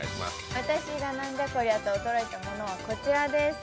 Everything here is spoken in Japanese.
私が「なんじゃこりゃ！」と驚いたものはこちらです。